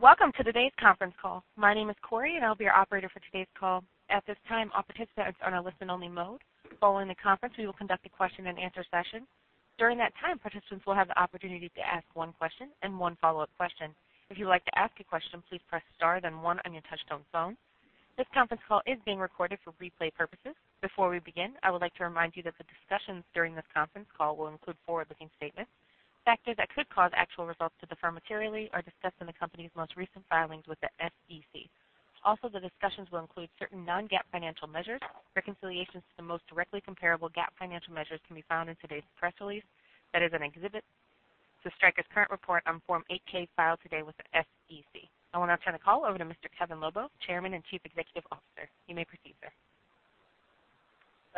Welcome to today's conference call. My name is Corey and I'll be your operator for today's call. At this time, all participants are on a listen-only mode. Following the conference, we will conduct a question and answer session. During that time, participants will have the opportunity to ask one question and one follow-up question. If you'd like to ask a question, please press star then one on your touch-tone phone. This conference call is being recorded for replay purposes. Before we begin, I would like to remind you that the discussions during this conference call will include forward-looking statements. Factors that could cause actual results to differ materially are discussed in the company's most recent filings with the SEC. Also, the discussions will include certain non-GAAP financial measures. Reconciliations to the most directly comparable GAAP financial measures can be found in today's press release that is in Exhibit to Stryker's current report on Form 8-K filed today with the SEC. I will now turn the call over to Mr. Kevin Lobo, Chairman and Chief Executive Officer. You may proceed, sir.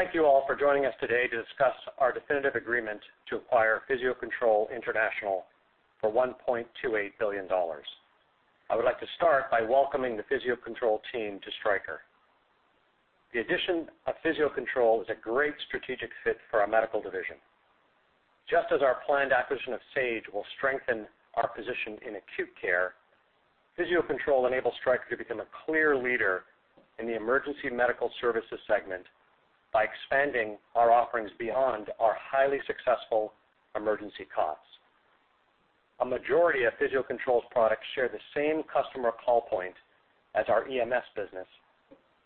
Thank you all for joining us today to discuss our definitive agreement to acquire Physio-Control International for $1.28 billion. I would like to start by welcoming the Physio-Control team to Stryker. The addition of Physio-Control is a great strategic fit for our medical division. Just as our planned acquisition of Sage will strengthen our position in acute care, Physio-Control enables Stryker to become a clear leader in the emergency medical services segment by expanding our offerings beyond our highly successful emergency cots. A majority of Physio-Control's products share the same customer call point as our EMS business,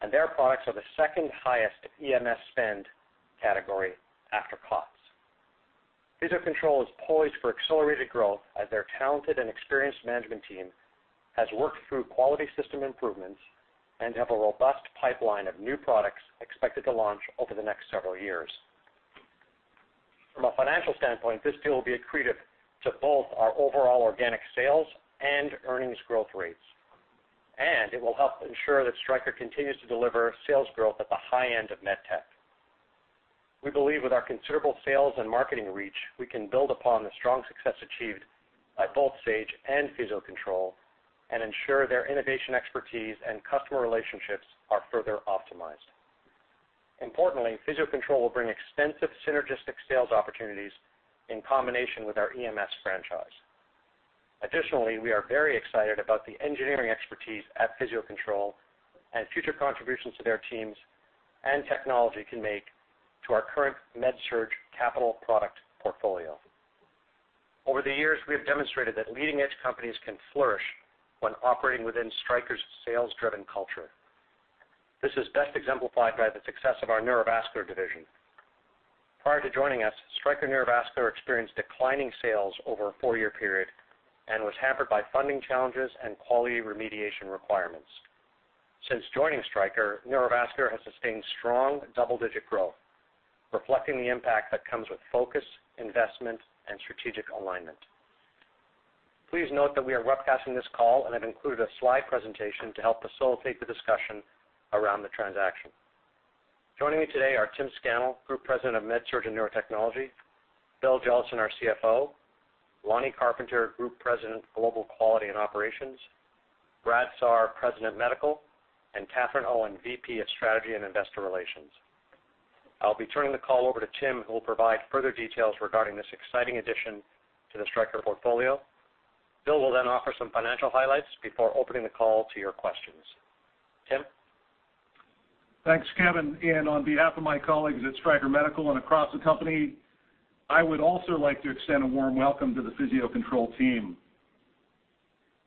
and their products are the second highest EMS spend category after cots. Physio-Control is poised for accelerated growth as their talented and experienced management team has worked through quality system improvements and have a robust pipeline of new products expected to launch over the next several years. From a financial standpoint, this deal will be accretive to both our overall organic sales and earnings growth rates, and it will help ensure that Stryker continues to deliver sales growth at the high end of MedTech. We believe with our considerable sales and marketing reach, we can build upon the strong success achieved by both Sage and Physio-Control and ensure their innovation expertise and customer relationships are further optimized. Importantly, Physio-Control will bring extensive synergistic sales opportunities in combination with our EMS franchise. Additionally, we are very excited about the engineering expertise at Physio-Control and future contributions to their teams and technology can make to our current Med-Surg capital product portfolio. Over the years, we have demonstrated that leading-edge companies can flourish when operating within Stryker's sales-driven culture. This is best exemplified by the success of our Neurovascular division. Prior to joining us, Stryker Neurovascular experienced declining sales over a four-year period and was hampered by funding challenges and quality remediation requirements. Since joining Stryker, Neurovascular has sustained strong double-digit growth, reflecting the impact that comes with focus, investment, and strategic alignment. Please note that we are webcasting this call and have included a slide presentation to help facilitate the discussion around the transaction. Joining me today are Tim Scannell, Group President of MedSurg and Neurotechnology, Bill Jellison, our CFO, Lonnie Carpenter, Group President, Global Quality and Operations, Brad Saar, President, Medical, and Katherine Owen, VP of Strategy and Investor Relations. I'll be turning the call over to Tim, who will provide further details regarding this exciting addition to the Stryker portfolio. Bill will offer some financial highlights before opening the call to your questions. Tim? Thanks, Kevin. On behalf of my colleagues at Stryker Medical and across the company, I would also like to extend a warm welcome to the Physio-Control team.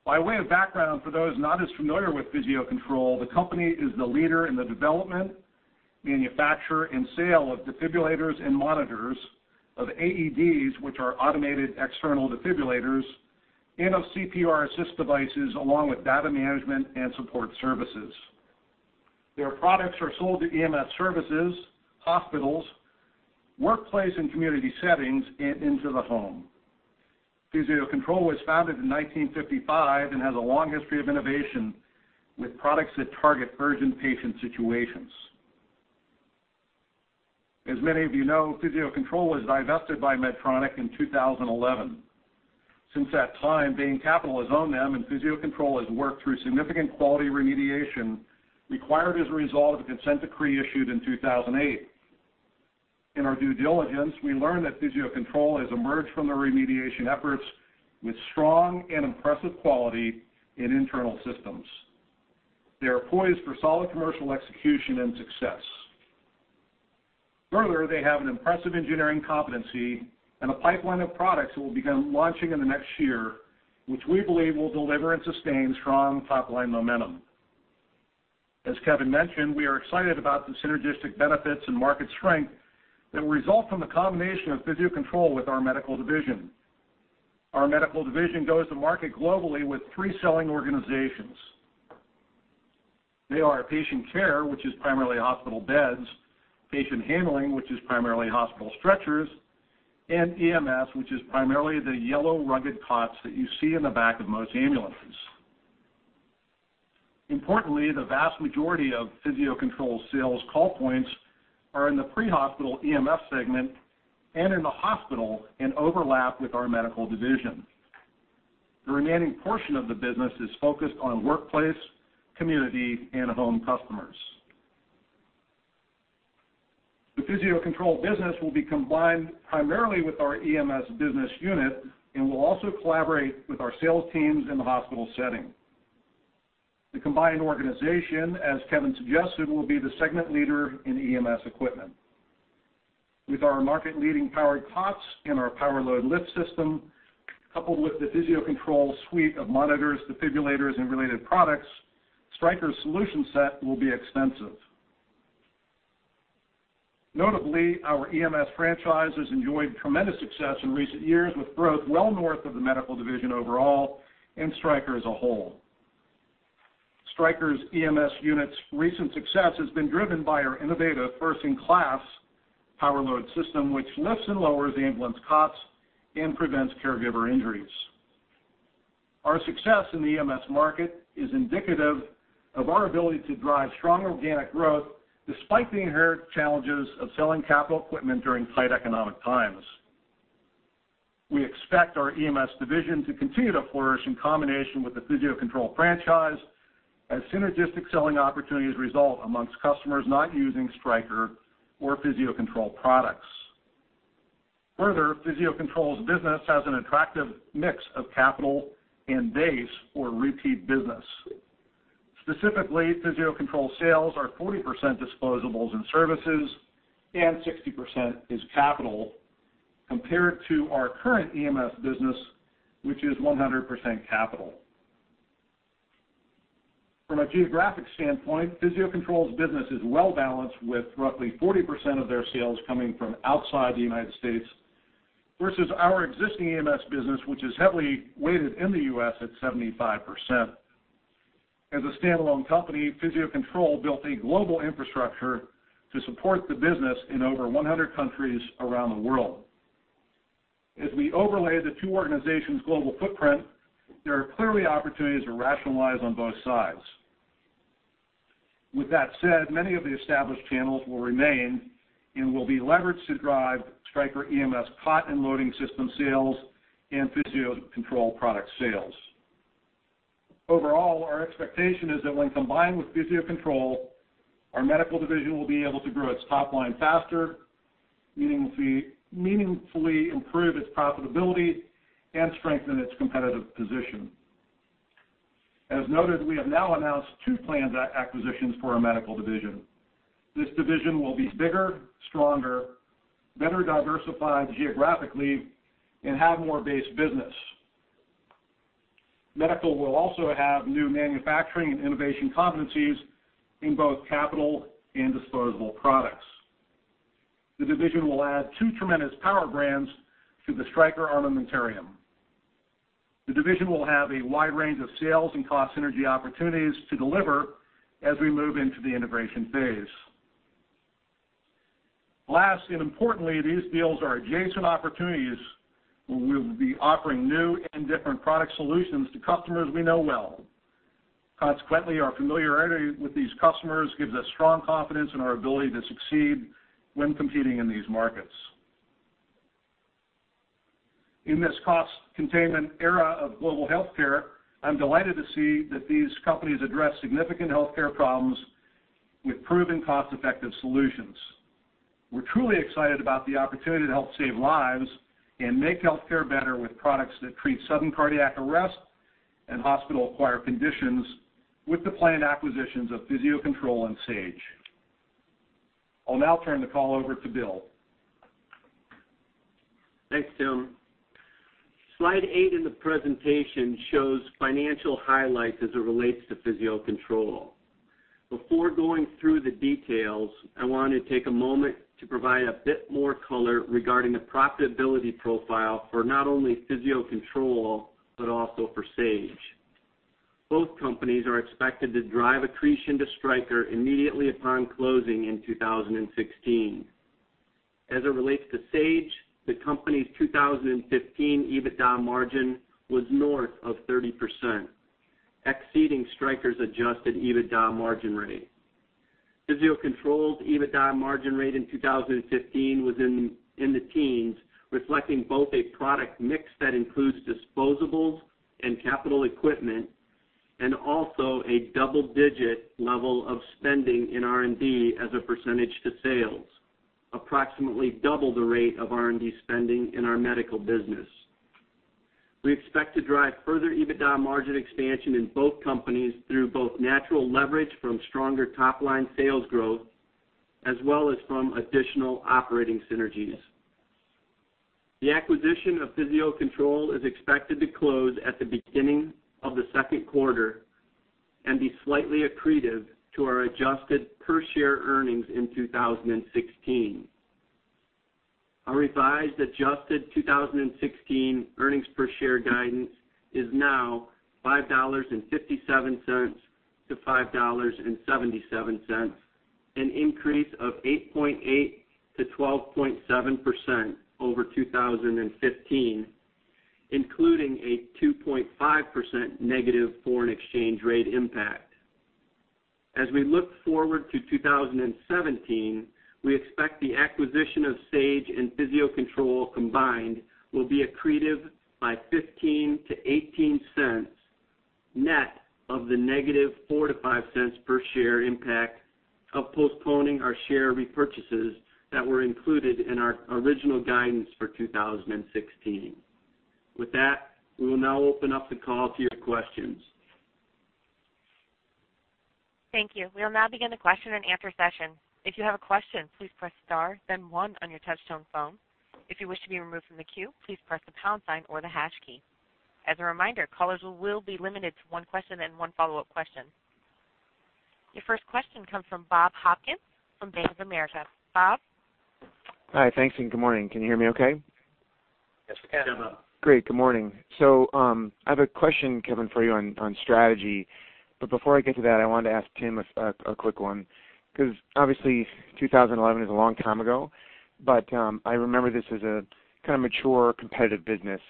By way of background, for those not as familiar with Physio-Control, the company is the leader in the development, manufacture, and sale of defibrillators and monitors of AEDs, which are automated external defibrillators, and of CPR assist devices, along with data management and support services. Their products are sold to EMS services, hospitals, workplace and community settings, and into the home. Physio-Control was founded in 1955 and has a long history of innovation with products that target urgent patient situations. As many of you know, Physio-Control was divested by Medtronic in 2011. Since that time, Bain Capital has owned them, and Physio-Control has worked through significant quality remediation required as a result of a consent decree issued in 2008. In our due diligence, we learned that Physio-Control has emerged from the remediation efforts with strong and impressive quality in internal systems. They are poised for solid commercial execution and success. Further, they have an impressive engineering competency and a pipeline of products that will begin launching in the next year, which we believe will deliver and sustain strong top-line momentum. As Kevin mentioned, we are excited about the synergistic benefits and market strength that will result from the combination of Physio-Control with our Medical Division. Our Medical Division goes to market globally with three selling organizations. They are patient care, which is primarily hospital beds, patient handling, which is primarily hospital stretchers, and EMS, which is primarily the yellow rugged cots that you see in the back of most ambulances. Importantly, the vast majority of Physio-Control's sales call points are in the pre-hospital EMS segment and in the hospital and overlap with our Medical Division. The remaining portion of the business is focused on workplace, community, and home customers. The Physio-Control business will be combined primarily with our EMS business unit and will also collaborate with our sales teams in the hospital setting. The combined organization, as Kevin suggested, will be the segment leader in EMS equipment. With our market-leading powered cots and our Power-LOAD lift system, coupled with the Physio-Control suite of monitors, defibrillators, and related products, Stryker's solution set will be extensive. Notably, our EMS franchise has enjoyed tremendous success in recent years, with growth well north of the Medical Division overall and Stryker as a whole. Stryker's EMS unit's recent success has been driven by our innovative, first-in-class Power-LOAD system, which lifts and lowers the ambulance cots and prevents caregiver injuries. Our success in the EMS market is indicative of our ability to drive strong organic growth despite the inherent challenges of selling capital equipment during tight economic times. We expect our EMS division to continue to flourish in combination with the Physio-Control franchise as synergistic selling opportunities result amongst customers not using Stryker or Physio-Control products. Further, Physio-Control's business has an attractive mix of capital and base or repeat business. Specifically, Physio-Control sales are 40% disposables and services and 60% is capital, compared to our current EMS business, which is 100% capital. From a geographic standpoint, Physio-Control's business is well-balanced, with roughly 40% of their sales coming from outside the U.S. versus our existing EMS business, which is heavily weighted in the U.S. at 75%. As a standalone company, Physio-Control built a global infrastructure to support the business in over 100 countries around the world. As we overlay the two organizations' global footprint, there are clearly opportunities to rationalize on both sides. With that said, many of the established channels will remain and will be leveraged to drive Stryker EMS cot and loading system sales and Physio-Control product sales. Overall, our expectation is that when combined with Physio-Control, our medical division will be able to grow its top line faster, meaningfully improve its profitability, and strengthen its competitive position. As noted, we have now announced two planned acquisitions for our medical division. This division will be bigger, stronger, better diversified geographically, and have more base business. Medical will also have new manufacturing and innovation competencies in both capital and disposable products. The division will add two tremendous power brands to the Stryker armamentarium. The division will have a wide range of sales and cost synergy opportunities to deliver as we move into the integration phase. Last, and importantly, these deals are adjacent opportunities where we'll be offering new and different product solutions to customers we know well. Consequently, our familiarity with these customers gives us strong confidence in our ability to succeed when competing in these markets. In this cost-containment era of global healthcare, I'm delighted to see that these companies address significant healthcare problems with proven cost-effective solutions. We're truly excited about the opportunity to help save lives and make healthcare better with products that treat sudden cardiac arrest and hospital-acquired conditions with the planned acquisitions of Physio-Control and Sage. I'll now turn the call over to Bill. Thanks, Tim. Slide eight in the presentation shows financial highlights as it relates to Physio-Control. Before going through the details, I want to take a moment to provide a bit more color regarding the profitability profile for not only Physio-Control, but also for Sage. Both companies are expected to drive accretion to Stryker immediately upon closing in 2016. As it relates to Sage, the company's 2015 EBITDA margin was north of 30%, exceeding Stryker's adjusted EBITDA margin rate. Physio-Control's EBITDA margin rate in 2015 was in the teens, reflecting both a product mix that includes disposables and capital equipment, and also a double-digit level of spending in R&D as a percentage to sales, approximately double the rate of R&D spending in our medical business. We expect to drive further EBITDA margin expansion in both companies through both natural leverage from stronger top-line sales growth, as well as from additional operating synergies. The acquisition of Physio-Control is expected to close at the beginning of the second quarter and be slightly accretive to our adjusted per-share earnings in 2016. Our revised adjusted 2016 earnings per share guidance is now $5.57 to $5.77, an increase of 8.8% to 12.7% over 2015, including a 2.5% negative foreign exchange rate impact. As we look forward to 2017, we expect the acquisition of Sage and Physio-Control combined will be accretive by $0.15 to $0.18, net of the negative $0.04 to $0.05 per share impact of postponing our share repurchases that were included in our original guidance for 2016. With that, we will now open up the call to your questions. Thank you. We will now begin the question and answer session. If you have a question, please press star, then one on your touchtone phone. If you wish to be removed from the queue, please press the pound sign or the hash key. As a reminder, callers will be limited to one question and one follow-up question. Your first question comes from Bob Hopkins from Bank of America. Bob? Hi. Thanks, and good morning. Can you hear me okay? Yes, we can. Great. Good morning. I have a question, Kevin, for you on strategy, but before I get to that, I wanted to ask Tim a quick one because obviously 2011 is a long time ago, but I remember this as a kind of mature, competitive business.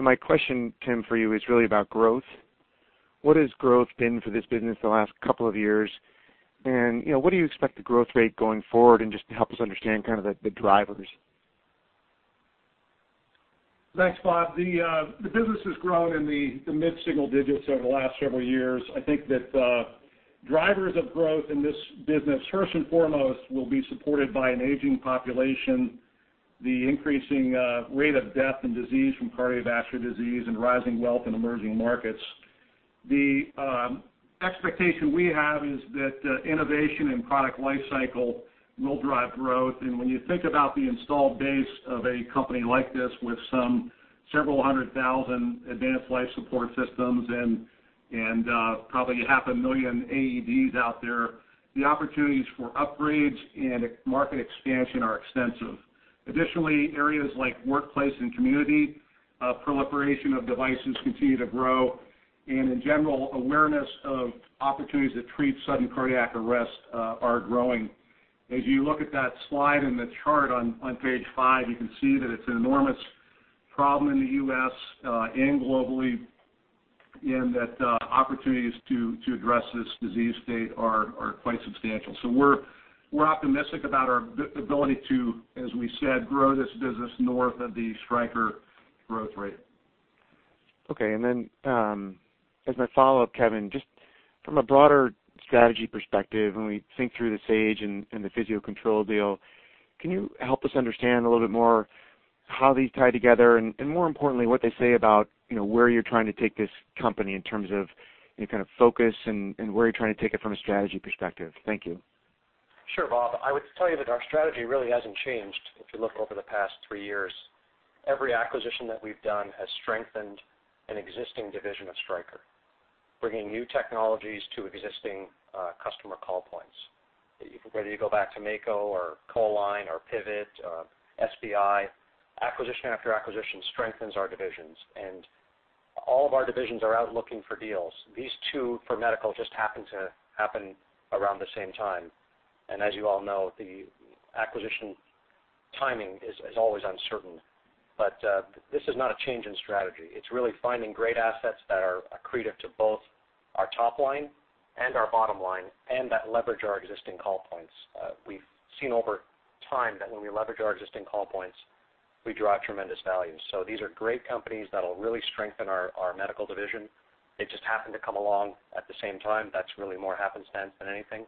My question, Tim, for you is really about growth. What has growth been for this business the last couple of years, and what do you expect the growth rate going forward, and just to help us understand kind of the drivers? Thanks, Bob. The business has grown in the mid-single digits over the last several years. I think that the drivers of growth in this business, first and foremost, will be supported by an aging population, the increasing rate of death and disease from cardiovascular disease, and rising wealth in emerging markets. The expectation we have is that innovation and product life cycle will drive growth. When you think about the installed base of a company like this, with some several hundred thousand advanced life support systems and probably half a million AEDs out there, the opportunities for upgrades and market expansion are extensive. Additionally, areas like workplace and community proliferation of devices continue to grow, and in general, awareness of opportunities that treat sudden cardiac arrest are growing. As you look at that slide in the chart on page five, you can see that it's an enormous problem in the U.S. and globally, and that opportunities to address this disease state are quite substantial. We're optimistic about our ability to, as we said, grow this business north of the Stryker growth rate. Okay. Then as my follow-up, Kevin, just from a broader strategy perspective, when we think through the Sage and the Physio-Control deal, can you help us understand a little bit more how these tie together and more importantly, what they say about where you're trying to take this company in terms of any kind of focus and where you're trying to take it from a strategy perspective? Thank you. Sure, Bob, I would tell you that our strategy really hasn't changed if you look over the past three years. Every acquisition that we've done has strengthened an existing division of Stryker, bringing new technologies to existing customer call points. Whether you go back to Mako or [CORE Line] or Pivot, SBI, acquisition after acquisition strengthens our divisions, and all of our divisions are out looking for deals. These two for medical just happen to happen around the same time. As you all know, the acquisition timing is always uncertain. This is not a change in strategy. It's really finding great assets that are accretive to both our top line and our bottom line, and that leverage our existing call points. We've seen over time that when we leverage our existing call points, we drive tremendous value. These are great companies that'll really strengthen our medical division. It just happened to come along at the same time. That's really more happenstance than anything.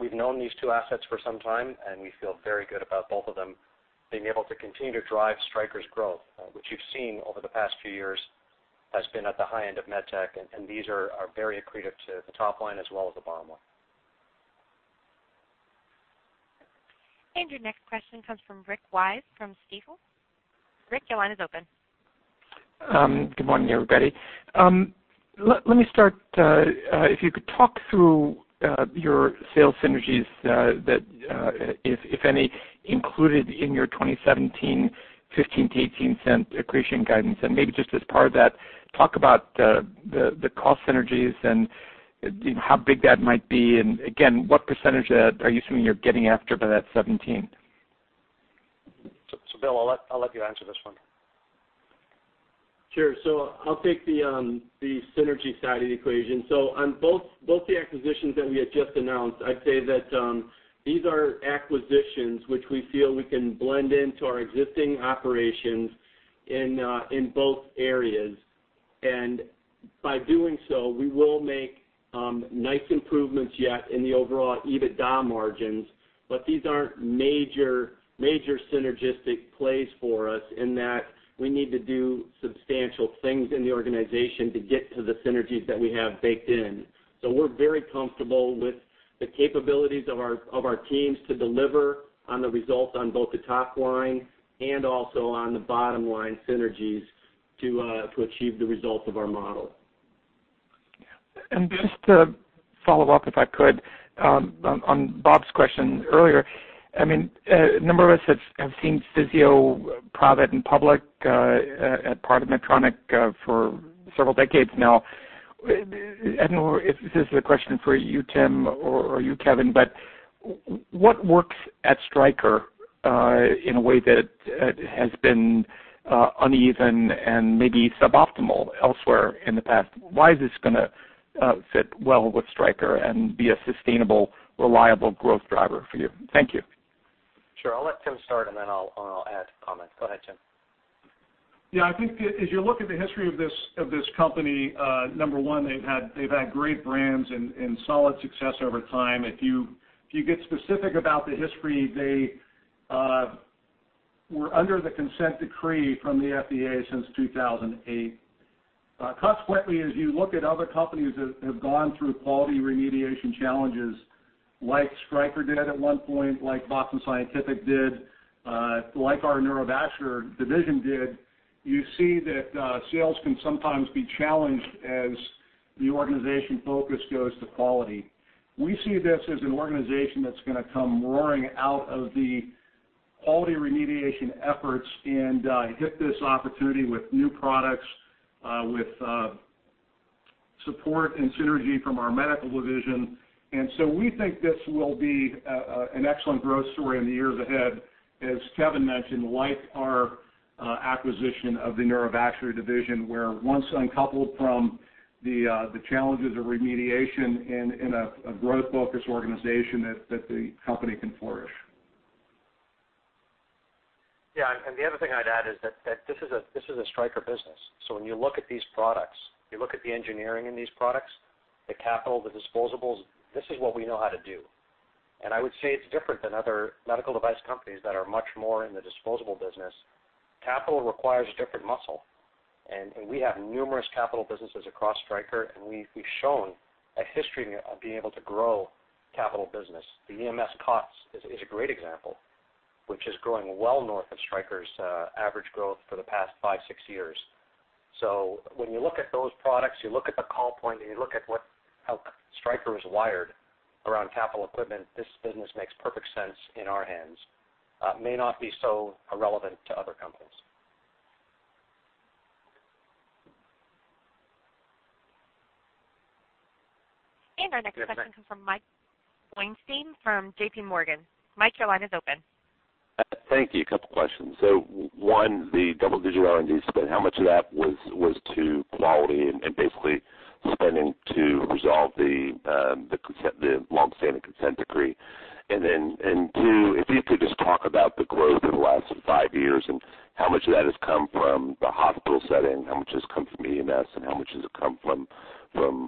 We've known these two assets for some time, and we feel very good about both of them being able to continue to drive Stryker's growth, which you've seen over the past few years has been at the high end of MedTech, and these are very accretive to the top line as well as the bottom line. Your next question comes from Rick Wise from Stifel. Rick, your line is open. Good morning, everybody. Let me start, if you could talk through your sales synergies, if any, included in your 2017 $0.15 to $0.18 accretion guidance. Maybe just as part of that, talk about the cost synergies and how big that might be, and again, what percentage are you assuming you're getting after by that 2017? Bill, I'll let you answer this one. Sure. I'll take the synergy side of the equation. On both the acquisitions that we had just announced, I'd say that these are acquisitions which we feel we can blend into our existing operations in both areas. By doing so, we will make nice improvements yet in the overall EBITDA margins. These aren't major synergistic plays for us in that we need to do substantial things in the organization to get to the synergies that we have baked in. We're very comfortable with the capabilities of our teams to deliver on the results on both the top line and also on the bottom line synergies to achieve the results of our model. Just to follow up, if I could, on Bob's question earlier, a number of us have seen Physio-Control private and public at part of Medtronic for several decades now. I don't know if this is a question for you, Tim, or you, Kevin, what works at Stryker in a way that has been uneven and maybe suboptimal elsewhere in the past? Why is this going to fit well with Stryker and be a sustainable, reliable growth driver for you? Thank you. Sure. I'll let Tim start, then I'll add comments. Go ahead, Tim. Yeah, I think as you look at the history of this company, number one, they've had great brands and solid success over time. If you get specific about the history, they were under the consent decree from the FDA since 2008. Consequently, as you look at other companies that have gone through quality remediation challenges, like Stryker did at one point, like Boston Scientific did, like our Neurovascular division did, you see that sales can sometimes be challenged as the organization focus goes to quality. We see this as an organization that's going to come roaring out of the quality remediation efforts and hit this opportunity with new products, with support and synergy from our medical division. We think this will be an excellent growth story in the years ahead, as Kevin mentioned, like our acquisition of the Neurovascular division, where once uncoupled from the challenges of remediation in a growth-focused organization, that the company can flourish. Yeah, the other thing I'd add is that this is a Stryker business. When you look at these products, you look at the engineering in these products, the capital, the disposables, this is what we know how to do. I would say it's different than other medical device companies that are much more in the disposable business. Capital requires different muscle, we have numerous capital businesses across Stryker, we've shown a history of being able to grow capital business. The EMS COTS is a great example, which is growing well north of Stryker's average growth for the past five, six years. When you look at those products, you look at the call point, you look at how Stryker is wired around capital equipment, this business makes perfect sense in our hands. May not be so relevant to other companies. Our next question comes from Mike Weinstein from J.P. Morgan. Mike, your line is open. Thank you. A couple of questions. One, the double-digit R&D spend, how much of that was to quality and basically spending to resolve the long-standing consent decree? Two, if you could just talk about the growth over the last five years and how much of that has come from the hospital setting, how much has come from EMS, and how much has it come from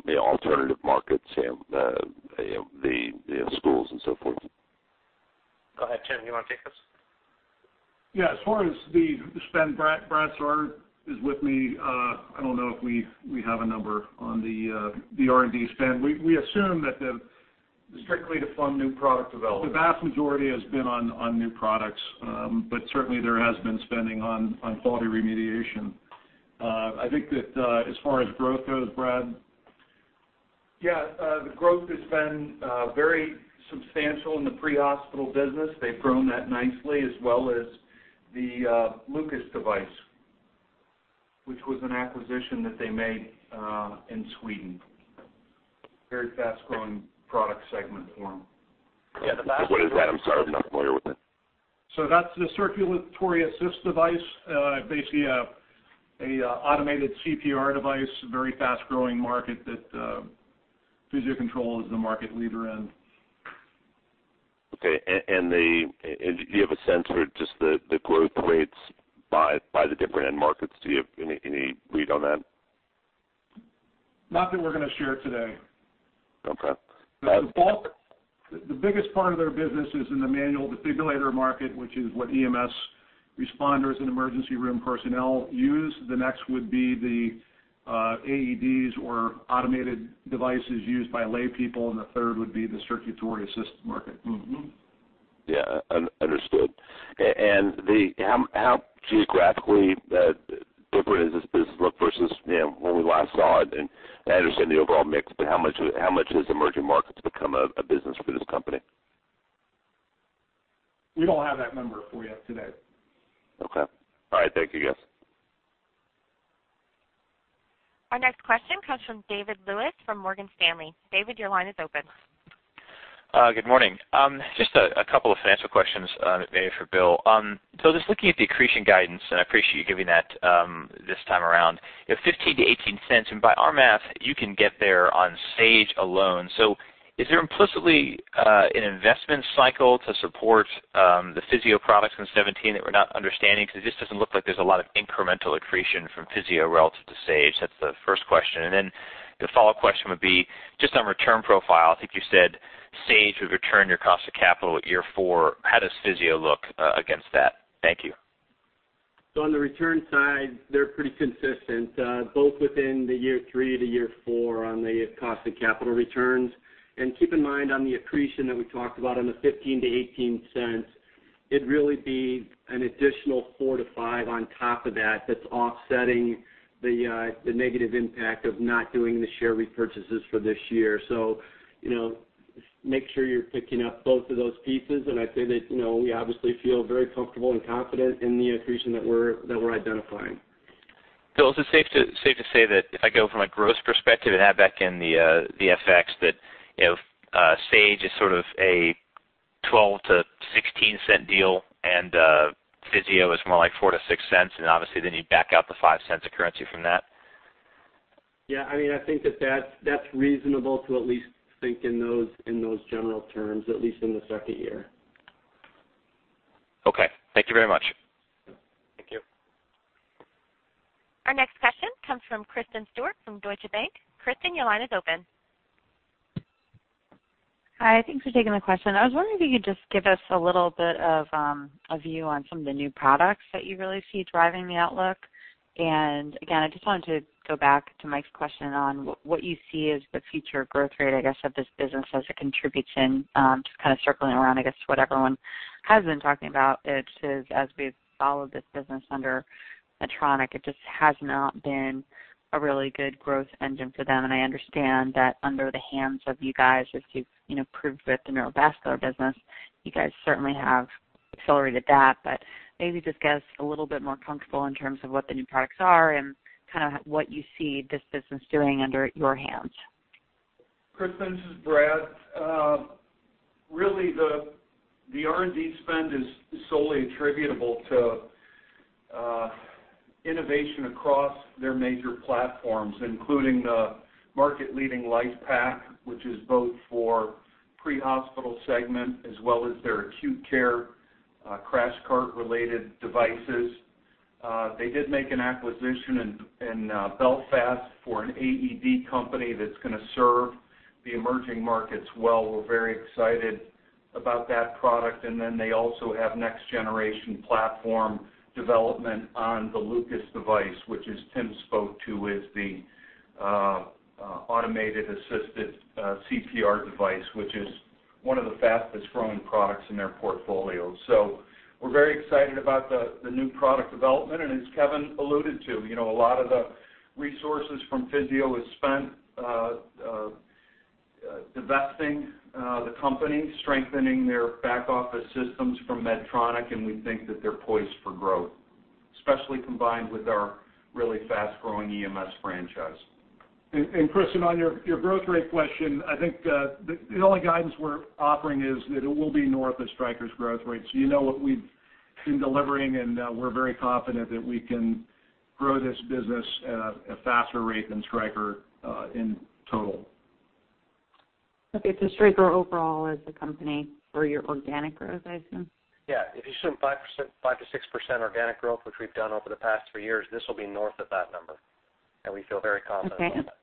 the alternative markets, the schools and so forth? Go ahead, Tim, you want to take this? Yeah. As far as the spend, Brad Saar is with me. I don't know if we have a number on the R&D spend. Strictly to fund new product development The vast majority has been on new products, certainly, there has been spending on quality remediation. I think that as far as growth goes, Brad? Yeah. The growth has been very substantial in the pre-hospital business. They've grown that nicely, as well as the LUCAS device, which was an acquisition that they made in Sweden. Very fast-growing product segment for them. What is that? I'm sorry, I'm not familiar with it. That's the circulatory assist device. Basically, an automated CPR device, very fast-growing market that Physio-Control is the market leader in. Okay. Do you have a sense for just the growth rates by the different end markets? Do you have any read on that? Not that we're going to share today. Okay. The biggest part of their business is in the manual defibrillator market, which is what EMS responders and emergency room personnel use. The next would be the AEDs or automated devices used by laypeople, and the third would be the circulatory assist market. Yeah. Understood. How geographically different does this business look versus when we last saw it? I understand the overall mix, how much has emerging markets become a business for this company? We don't have that number for you today. Okay. All right. Thank you, guys. Our next question comes from David Lewis from Morgan Stanley. David, your line is open. Good morning. Just a couple of financial questions, maybe for Bill. Just looking at the accretion guidance, I appreciate you giving that this time around. $0.15-$0.18, by our math, you can get there on Sage alone. Is there implicitly an investment cycle to support the Physio products in 2017 that we're not understanding? Because it just doesn't look like there's a lot of incremental accretion from Physio relative to Sage. That's the first question. The follow-up question would be just on return profile. I think you said Sage would return your cost of capital at year four. How does Physio look against that? Thank you. On the return side, they're pretty consistent, both within the year three to year four on the cost of capital returns. Keep in mind on the accretion that we talked about on the $0.15-$0.18, it'd really be an additional $0.04-$0.05 on top of that's offsetting the negative impact of not doing the share repurchases for this year. Make sure you're picking up both of those pieces. I'd say that we obviously feel very comfortable and confident in the accretion that we're identifying. Bill, is it safe to say that if I go from a growth perspective and add back in the FX, that Sage is sort of a $0.12-$0.16 deal and Physio is more like $0.04-$0.06, obviously then you back out the $0.05 of currency from that? Yeah, I think that's reasonable to at least think in those general terms, at least in the second year. Okay. Thank you very much. Thank you. Our next question comes from Kristen Stewart from Deutsche Bank. Kristen, your line is open. Hi, thanks for taking my question. I was wondering if you could just give us a little bit of a view on some of the new products that you really see driving the outlook. Again, I just wanted to go back to Mike's question on what you see as the future growth rate, I guess, of this business as it contributes in, just kind of circling around, I guess, what everyone has been talking about, which is, as we've followed this business under Medtronic, it just has not been a really good growth engine for them. I understand that under the hands of you guys, as you've proved with the neurovascular business, you guys certainly have accelerated that, maybe just get us a little bit more comfortable in terms of what the new products are and kind of what you see this business doing under your hands. Kristen, this is Brad. Really, the R&D spend is solely attributable to innovation across their major platforms, including the market-leading LIFEPAK, which is both for pre-hospital segment as well as their acute care crash cart related devices. They did make an acquisition in Belfast for an AED company that's going to serve the emerging markets well. We're very excited about that product. They also have next-generation platform development on the LUCAS device, which as Tim spoke to, is the automated assisted CPR device, which is one of the fastest-growing products in their portfolio. We're very excited about the new product development. As Kevin alluded to, a lot of the resources from Physio is spent divesting the company, strengthening their back office systems from Medtronic, and we think that they're poised for growth, especially combined with our really fast-growing EMS franchise. Kristen, on your growth rate question, I think the only guidance we're offering is that it will be north of Stryker's growth rate. You know what we've been delivering, and we're very confident that we can grow this business at a faster rate than Stryker in total. Okay. Is this Stryker overall as a company or your organic growth, I assume? Yeah. If you assume 5%-6% organic growth, which we've done over the past three years, this will be north of that number, and we feel very confident about that.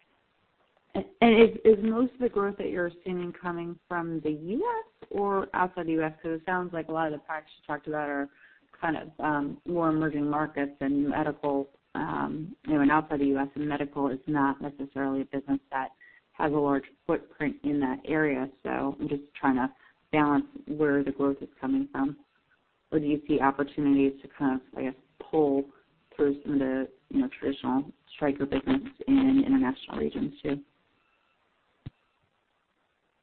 Okay. Is most of the growth that you're assuming coming from the U.S. or outside the U.S.? It sounds like a lot of the products you talked about are kind of more emerging markets and new medical, and outside the U.S. and medical is not necessarily a business that has a large footprint in that area. I'm just trying to balance where the growth is coming from. Do you see opportunities to kind of, I guess, pull through some of the traditional Stryker business in international regions, too?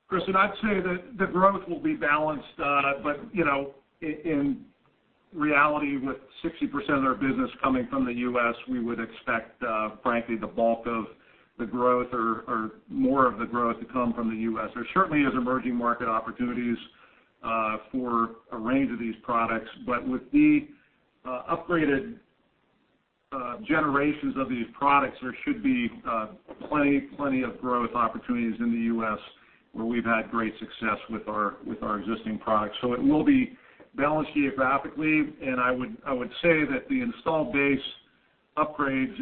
Kristen, I'd say that the growth will be balanced. In reality, with 60% of our business coming from the U.S., we would expect, frankly, the bulk of the growth or more of the growth to come from the U.S. There certainly is emerging market opportunities for a range of these products. With the upgraded generations of these products, there should be plenty of growth opportunities in the U.S. where we've had great success with our existing products. It will be balanced geographically, and I would say that the install base upgrades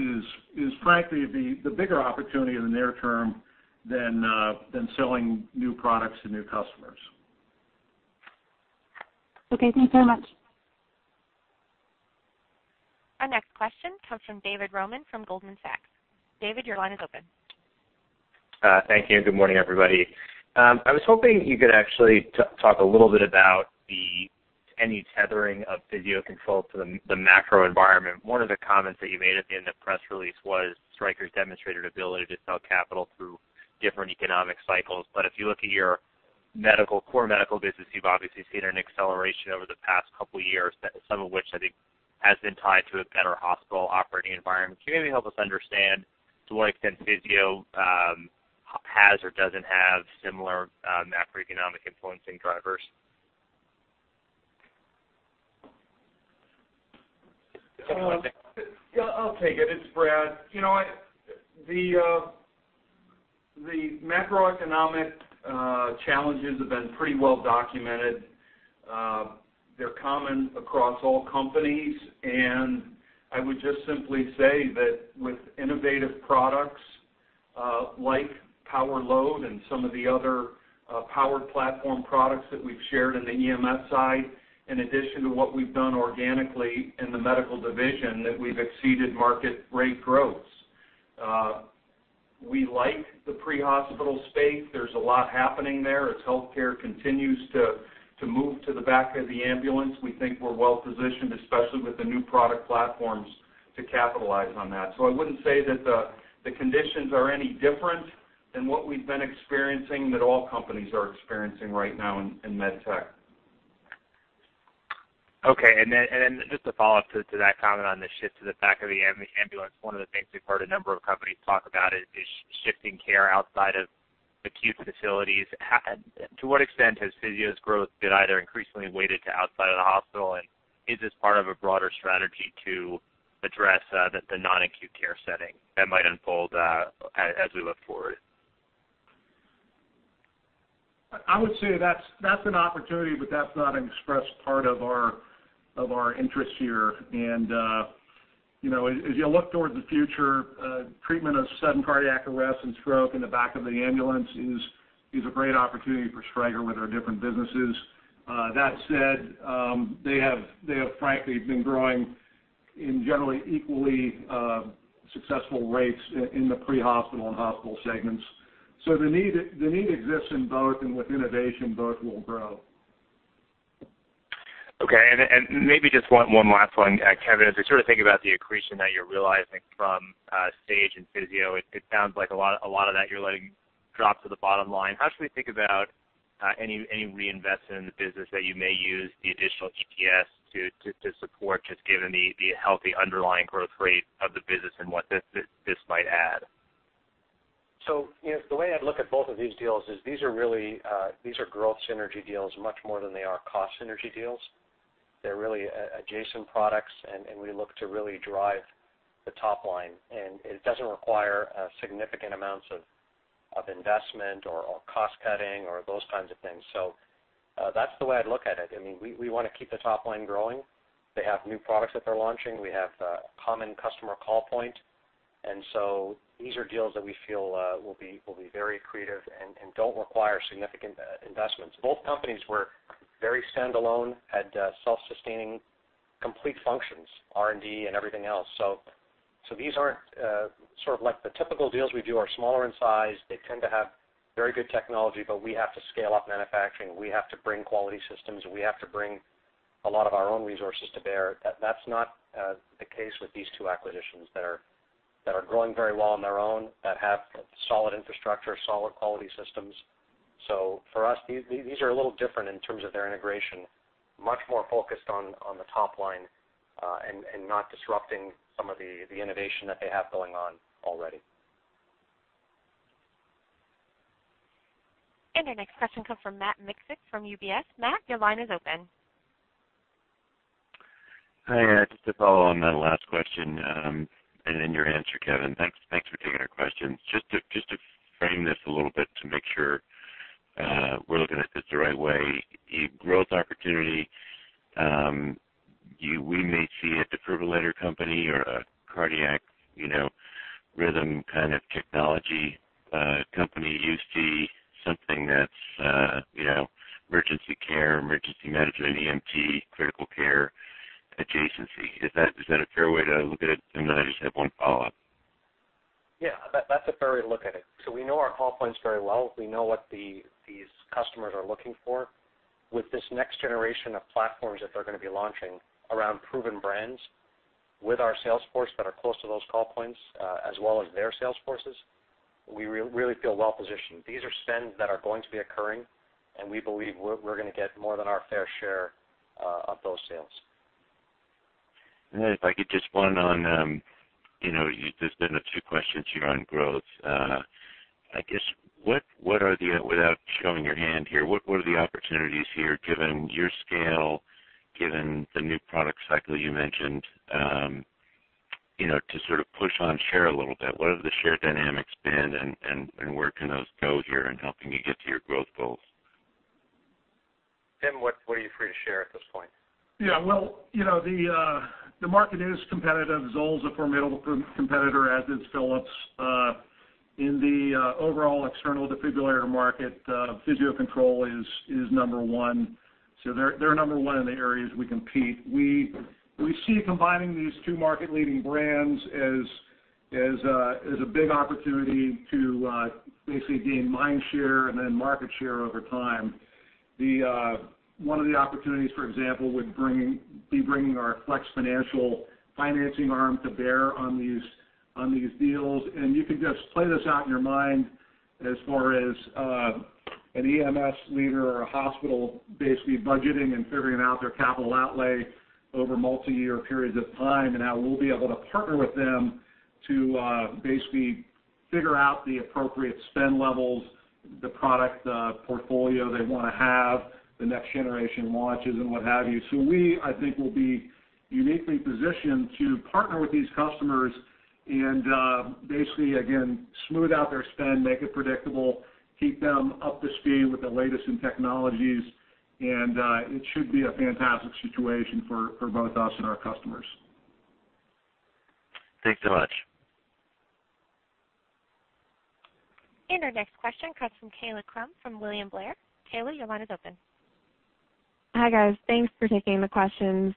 is frankly the bigger opportunity in the near term than selling new products to new customers. Okay, thanks very much. Our next question comes from David Roman from Goldman Sachs. David, your line is open. Thank you. Good morning, everybody. I was hoping you could actually talk a little bit about any tethering of Physio-Control to the macro environment. One of the comments that you made at the end of the press release was Stryker's demonstrated ability to sell capital through different economic cycles. If you look at your core medical business, you've obviously seen an acceleration over the past couple of years, some of which I think has been tied to a better hospital operating environment. Can you maybe help us understand to what extent Physio has or doesn't have similar macroeconomic influencing drivers? Yeah, I'll take it. It's Brad. The macroeconomic challenges have been pretty well documented. They're common across all companies, and I would just simply say that with innovative products, like Power-LOAD and some of the other powered platform products that we've shared in the EMS side, in addition to what we've done organically in the medical division, that we've exceeded market rate growth. We like the pre-hospital space. There's a lot happening there as healthcare continues to move to the back of the ambulance. We think we're well-positioned, especially with the new product platforms, to capitalize on that. I wouldn't say that the conditions are any different than what we've been experiencing that all companies are experiencing right now in MedTech. Okay. Just a follow-up to that comment on the shift to the back of the ambulance. One of the things we've heard a number of companies talk about is shifting care outside of Acute facilities. To what extent has Physio's growth been either increasingly weighted to outside of the hospital? Is this part of a broader strategy to address the non-acute care setting that might unfold as we look forward? I would say that's an opportunity, but that's not an express part of our interest here. As you look toward the future, treatment of sudden cardiac arrest and stroke in the back of the ambulance is a great opportunity for Stryker with our different businesses. That said, they have frankly been growing in generally equally successful rates in the pre-hospital and hospital segments. The need exists in both and with innovation, both will grow. Okay, maybe just one last one, Kevin, as I think about the accretion that you're realizing from Sage and Physio, it sounds like a lot of that you're letting drop to the bottom line. How should we think about any reinvestment in the business that you may use the additional EPS to support, just given the healthy underlying growth rate of the business and what this might add? The way I'd look at both of these deals is these are growth synergy deals much more than they are cost synergy deals. They're really adjacent products, we look to really drive the top line, and it doesn't require significant amounts of investment or cost cutting or those kinds of things. That's the way I'd look at it. We want to keep the top line growing. They have new products that they're launching. We have a common customer call point. These are deals that we feel will be very accretive and don't require significant investments. Both companies were very standalone, had self-sustaining complete functions, R&D and everything else. These aren't sort of like the typical deals we do are smaller in size. They tend to have very good technology, but we have to scale up manufacturing. We have to bring quality systems. We have to bring a lot of our own resources to bear. That's not the case with these two acquisitions that are growing very well on their own, that have solid infrastructure, solid quality systems. For us, these are a little different in terms of their integration, much more focused on the top line, and not disrupting some of the innovation that they have going on already. Our next question comes from Matt Miksic from UBS. Matt, your line is open. Hi, just to follow on that last question, and in your answer, Kevin. Thanks for taking our questions. Just to frame this a little bit to make sure we're looking at this the right way. A growth opportunity, we may see a defibrillator company or a cardiac rhythm kind of technology company. You see something that's emergency care, emergency management, EMT, critical care adjacency. Is that a fair way to look at it? Then I just have one follow-up. Yeah, that's a fair way to look at it. We know our call points very well. We know what these customers are looking for. With this next generation of platforms that they're going to be launching around proven brands with our sales force that are close to those call points, as well as their sales forces, we really feel well-positioned. These are spends that are going to be occurring, and we believe we're going to get more than our fair share of those sales. If I could just one on, there's been a few questions here on growth. I guess, without showing your hand here, what are the opportunities here given your scale, given the new product cycle you mentioned, to sort of push on share a little bit? What have the share dynamics been, and where can those go here in helping you get to your growth goals? Tim, what are you free to share at this point? Yeah, well, the market is competitive. Zoll is a formidable competitor, as is Philips. In the overall external defibrillator market, Physio-Control is number one. They're number one in the areas we compete. We see combining these two market-leading brands as a big opportunity to basically gain mind share and then market share over time. One of the opportunities, for example, would be bringing our Flex Financial financing arm to bear on these deals, and you could just play this out in your mind as far as an EMS leader or a hospital basically budgeting and figuring out their capital outlay over multi-year periods of time, and how we'll be able to partner with them to basically figure out the appropriate spend levels, the product portfolio they want to have, the next generation launches and what have you. We, I think, will be uniquely positioned to partner with these customers and basically, again, smooth out their spend, make it predictable, keep them up to speed with the latest in technologies, and it should be a fantastic situation for both us and our customers. Thanks so much. Our next question comes from Kaylan Crum from William Blair. Kaylan, your line is open. Hi, guys. Thanks for taking the questions.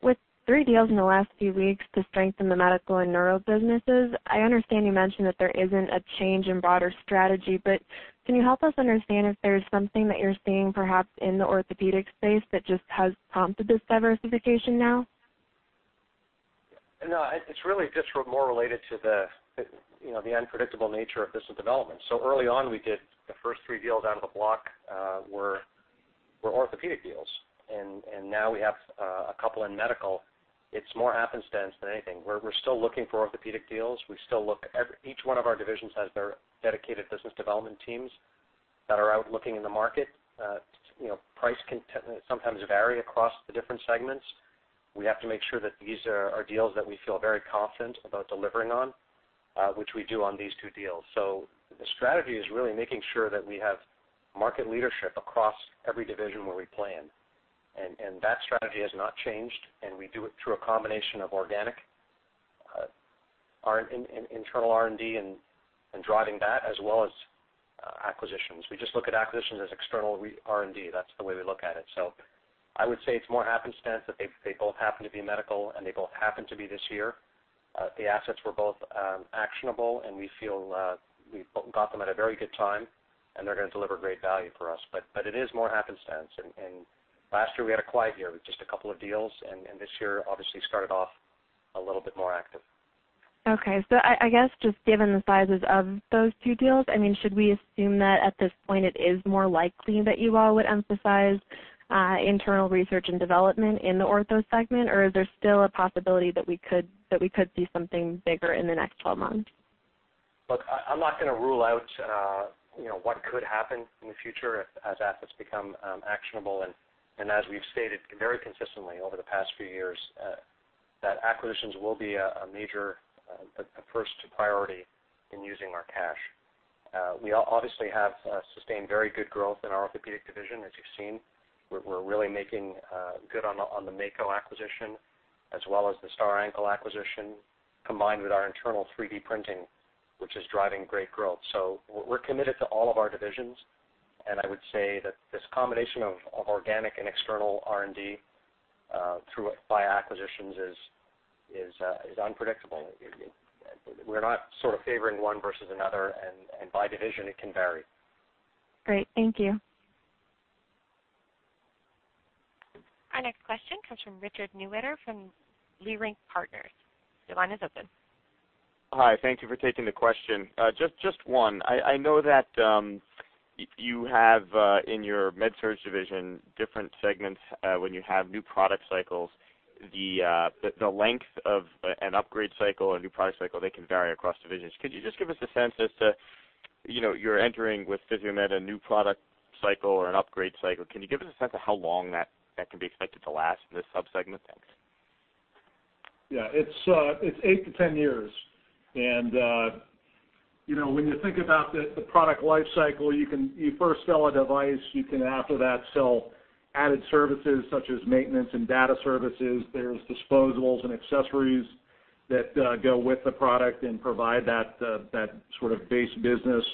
With three deals in the last few weeks to strengthen the medical and neuro businesses, I understand you mentioned that there isn't a change in broader strategy, but can you help us understand if there's something that you're seeing perhaps in the orthopedic space that just has prompted this diversification now? No, it's really just more related to the unpredictable nature of this development. Early on, we did the first three deals out of the block were orthopedic deals, and now we have a couple in medical. It's more happenstance than anything. We're still looking for orthopedic deals. Each one of our divisions has their dedicated business development teams that are out looking in the market. Price can sometimes vary across the different segments. We have to make sure that these are deals that we feel very confident about delivering on, which we do on these two deals. The strategy is really making sure that we have market leadership across every division where we play in, and that strategy has not changed, and we do it through a combination of organic, internal R&D and driving that as well as acquisitions. We just look at acquisitions as external R&D. That's the way we look at it. I would say it's more happenstance that they both happen to be medical and they both happen to be this year. The assets were both actionable, and we feel we got them at a very good time, and they're going to deliver great value for us. It is more happenstance. Last year we had a quiet year with just a couple of deals, and this year obviously started off a little bit more active. Okay. I guess just given the sizes of those two deals, should we assume that at this point it is more likely that you all would emphasize internal research and development in the ortho segment, or is there still a possibility that we could see something bigger in the next 12 months? Look, I'm not going to rule out what could happen in the future as assets become actionable, as we've stated very consistently over the past few years, that acquisitions will be a first priority in using our cash. We obviously have sustained very good growth in our orthopedic division, as you've seen. We're really making good on the Mako acquisition as well as the STAR Ankle acquisition, combined with our internal 3D printing, which is driving great growth. We're committed to all of our divisions, I would say that this combination of organic and external R&D by acquisitions is unpredictable. We're not favoring one versus another, by division it can vary. Great. Thank you. Our next question comes from Richard Newitter from Leerink Partners. Your line is open. Hi. Thank you for taking the question. Just one. I know that you have, in your MedSurg division, different segments, when you have new product cycles, the length of an upgrade cycle or new product cycle, they can vary across divisions. Could you just give us a sense as to, you're entering with Physio-Control a new product cycle or an upgrade cycle. Can you give us a sense of how long that can be expected to last in this sub-segment? Thanks. Yeah, it's 8 to 10 years. When you think about the product life cycle, you first sell a device, you can after that sell added services such as maintenance and data services. There's disposables and accessories that go with the product and provide that base business.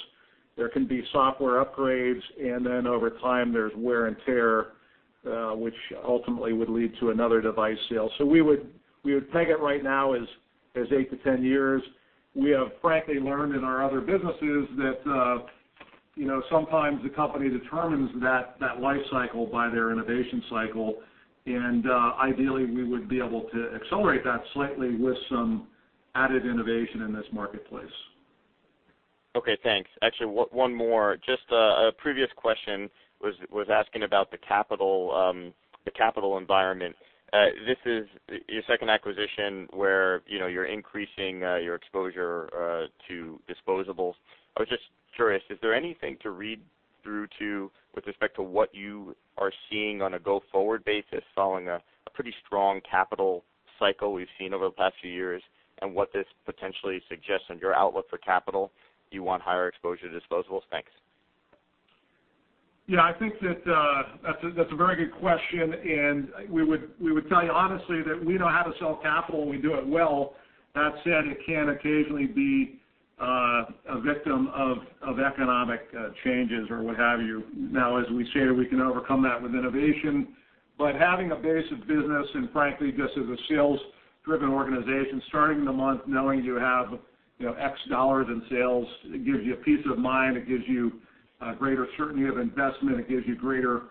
There can be software upgrades, and then over time, there's wear and tear, which ultimately would lead to another device sale. We would peg it right now as 8 to 10 years. We have frankly learned in our other businesses that sometimes the company determines that life cycle by their innovation cycle, and ideally we would be able to accelerate that slightly with some added innovation in this marketplace. Okay, thanks. Actually, one more. Just a previous question was asking about the capital environment. This is your second acquisition where you're increasing your exposure to disposables. I was just curious, is there anything to read through to with respect to what you are seeing on a go-forward basis following a pretty strong capital cycle we've seen over the past few years and what this potentially suggests on your outlook for capital? Do you want higher exposure to disposables? Thanks. Yeah, I think that's a very good question, and we would tell you honestly that we know how to sell capital, and we do it well. That said, it can occasionally be a victim of economic changes or what have you. Now, as we say, we can overcome that with innovation. Having a base of business, and frankly, just as a sales-driven organization, starting the month knowing you have X dollars in sales, it gives you peace of mind. It gives you greater certainty of investment. It gives you greater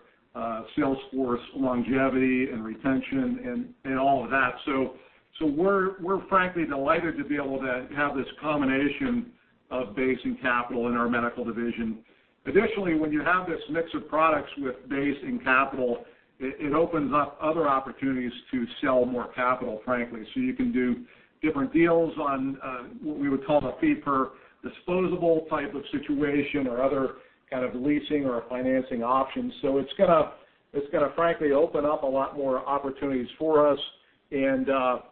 sales force longevity and retention and all of that. We're frankly delighted to be able to have this combination of base and capital in our medical division. Additionally, when you have this mix of products with base and capital, it opens up other opportunities to sell more capital, frankly. You can do different deals on what we would call a fee per disposable type of situation or other kind of leasing or financing options. It's going to frankly open up a lot more opportunities for us and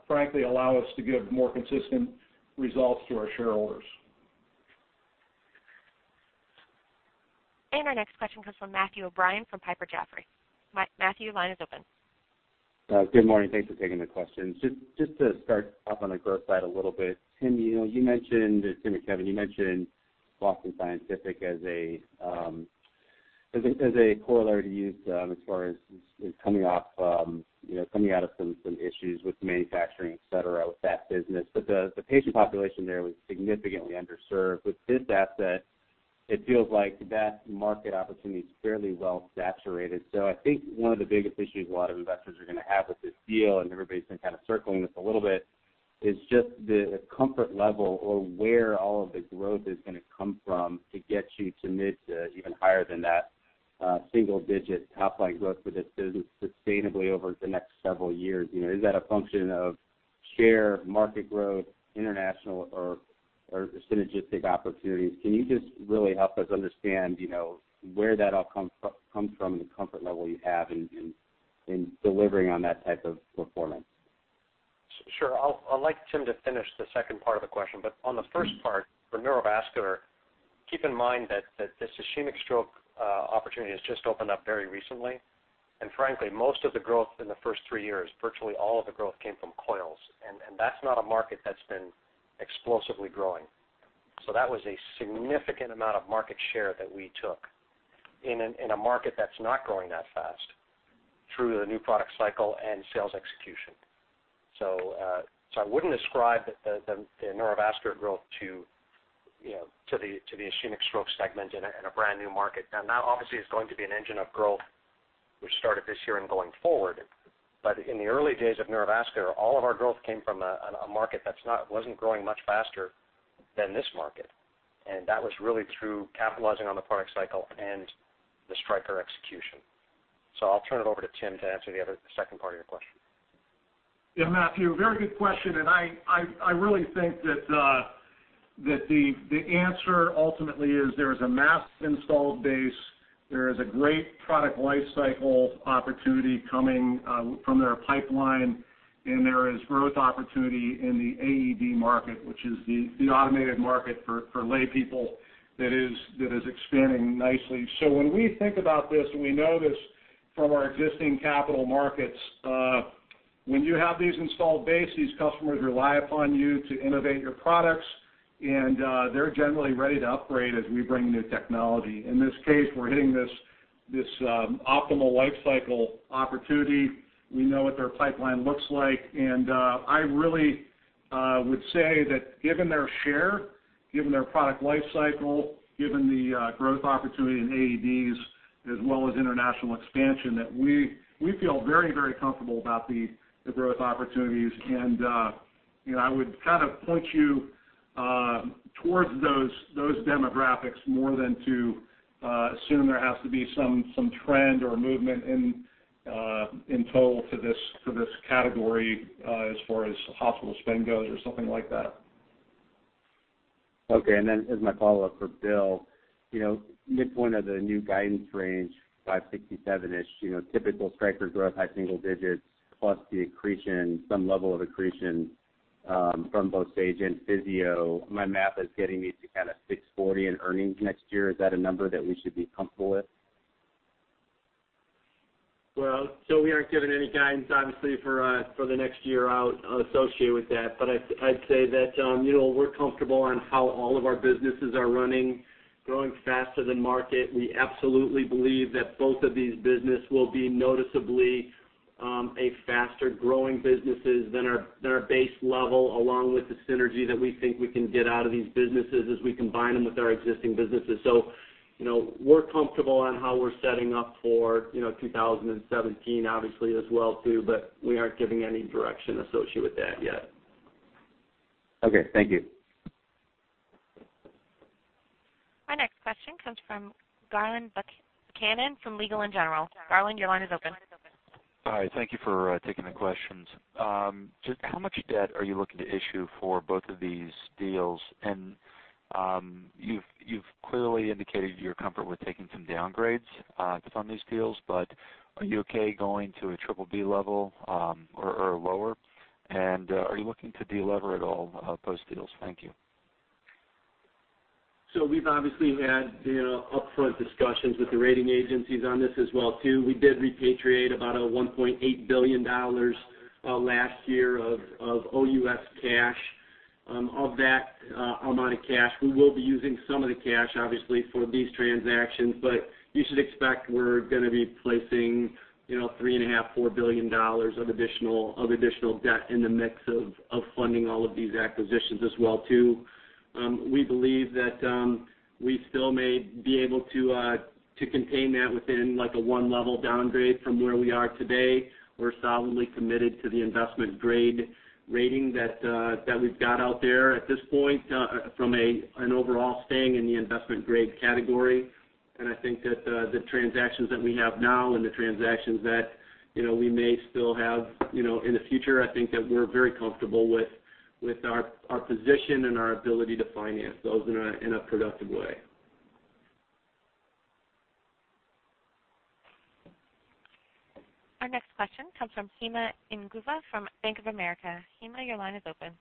frankly allow us to give more consistent results to our shareholders. Our next question comes from Matthew O'Brien from Piper Jaffray. Matthew, your line is open. Good morning. Thanks for taking the questions. Just to start off on the growth side a little bit. Tim or Kevin, you mentioned Boston Scientific as a corollary to use as far as coming out of some issues with manufacturing, et cetera, with that business. The patient population there was significantly underserved. With this asset, it feels like that market opportunity is fairly well saturated. I think one of the biggest issues a lot of investors are going to have with this deal, and everybody's been kind of circling this a little bit. It's just the comfort level or where all of the growth is going to come from to get you to mid to even higher than that single-digit top-line growth for this business sustainably over the next several years. Is that a function of share market growth, international or synergistic opportunities? Can you just really help us understand where that all comes from and the comfort level you have in delivering on that type of performance? Sure. I'd like Tim to finish the second part of the question, but on the first part, for neurovascular, keep in mind that this ischemic stroke opportunity has just opened up very recently, and frankly, most of the growth in the first three years, virtually all of the growth came from coils, and that's not a market that's been explosively growing. That was a significant amount of market share that we took in a market that's not growing that fast through the new product cycle and sales execution. I wouldn't ascribe the neurovascular growth to the ischemic stroke segment in a brand new market. That obviously is going to be an engine of growth, which started this year and going forward. In the early days of neurovascular, all of our growth came from a market that wasn't growing much faster than this market, and that was really through capitalizing on the product cycle and the Stryker execution. I'll turn it over to Tim to answer the second part of your question. Yeah, Matthew, very good question, and I really think that the answer ultimately is there is a mass installed base, there is a great product life cycle opportunity coming from their pipeline, and there is growth opportunity in the AED market, which is the automated market for laypeople that is expanding nicely. When we think about this, and we know this from our existing capital markets, when you have these installed base, these customers rely upon you to innovate your products, and they're generally ready to upgrade as we bring new technology. In this case, we're hitting this optimal life cycle opportunity. We know what their pipeline looks like, and I really would say that given their share, given their product life cycle, given the growth opportunity in AEDs as well as international expansion, that we feel very comfortable about the growth opportunities, and I would kind of point you towards those demographics more than to assume there has to be some trend or movement in total to this category as far as hospital spend goes or something like that. As my follow-up for Bill, mid-point of the new guidance range, $567-ish, typical Stryker growth, high single digits plus the accretion, some level of accretion from both Sage and Physio. My math is getting me to kind of $640 in earnings next year. Is that a number that we should be comfortable with? We aren't giving any guidance obviously for the next year out associated with that. I'd say that we're comfortable on how all of our businesses are running, growing faster than market. We absolutely believe that both of these business will be noticeably a faster growing businesses than our base level, along with the synergy that we think we can get out of these businesses as we combine them with our existing businesses. We're comfortable on how we're setting up for 2017, obviously as well too, we aren't giving any direction associated with that yet. Thank you. Our next question comes from Garland Buchanan from Legal & General. Garland, your line is open. Hi. Thank you for taking the questions. Just how much debt are you looking to issue for both of these deals? You've clearly indicated you're comfortable with taking some downgrades to fund these deals, but are you okay going to a BBB level or lower? Are you looking to de-lever at all post-deals? Thank you. We've obviously had upfront discussions with the rating agencies on this as well too. We did repatriate about a $1.8 billion last year of OUS cash. Of that amount of cash, we will be using some of the cash, obviously, for these transactions, but you should expect we're going to be placing $3.5 billion-$4 billion of additional debt in the mix of funding all of these acquisitions as well too. We believe that we still may be able to contain that within a 1-level downgrade from where we are today. We're solidly committed to the investment grade rating that we've got out there at this point from an overall staying in the investment grade category. I think that the transactions that we have now and the transactions that we may still have in the future, I think that we're very comfortable with our position and our ability to finance those in a productive way. Our next question comes from Hema Inguva from Bank of America. Hema, your line is open.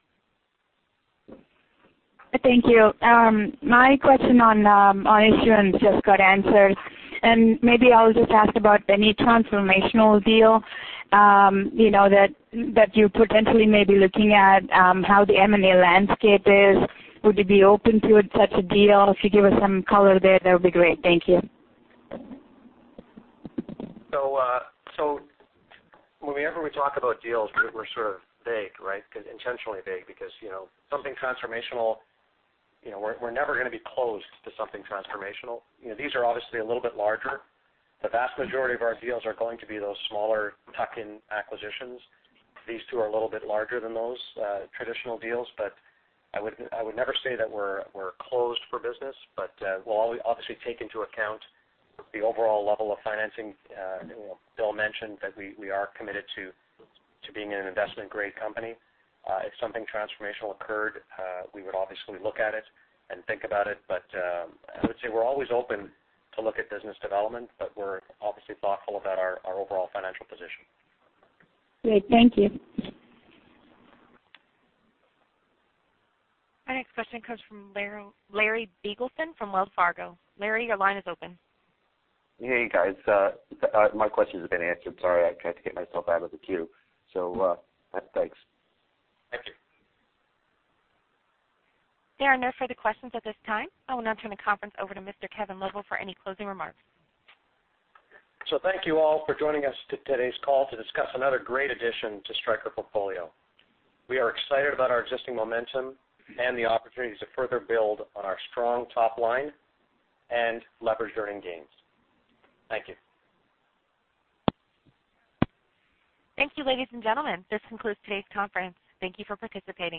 Thank you. My question on issuance just got answered, and maybe I'll just ask about any transformational deal that you potentially may be looking at, how the M&A landscape is. Would you be open to such a deal? If you give us some color there, that would be great. Thank you. Whenever we talk about deals, we're sort of vague, right? Intentionally vague because something transformational, we're never going to be closed to something transformational. These are obviously a little bit larger. The vast majority of our deals are going to be those smaller tuck-in acquisitions. These two are a little bit larger than those traditional deals, but I would never say that we're closed for business, but we'll obviously take into account the overall level of financing. Bill mentioned that we are committed to being an investment-grade company. If something transformational occurred, we would obviously look at it and think about it, but I would say we're always open to look at business development, but we're obviously thoughtful about our overall financial position. Great. Thank you. Our next question comes from Larry Biegelsen from Wells Fargo. Larry, your line is open. Hey, guys. My question has been answered. Sorry, I tried to get myself out of the queue. Thanks. Thank you. There are no further questions at this time. I will now turn the conference over to Mr. Kevin Lobo for any closing remarks. Thank you all for joining us to today's call to discuss another great addition to Stryker portfolio. We are excited about our existing momentum and the opportunities to further build on our strong top line and leverage earnings gains. Thank you. Thank you, ladies and gentlemen. This concludes today's conference. Thank you for participating.